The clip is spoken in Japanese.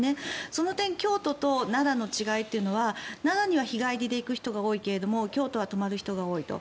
その点、京都と奈良の違いというのは奈良には日帰りで行く人が多いけれども京都は泊まる人が多いと。